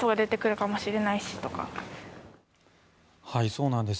そうなんです。